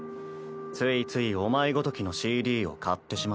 ついついお前ごときのＣＤを買ってしまった。